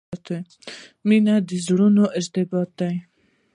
• مینه د زړونو ارتباط دی.